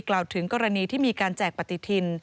กล่าวถึงกรณีที่มีการแจกปฏิทิน